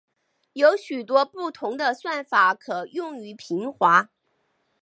有许多不同的算法可用于平滑。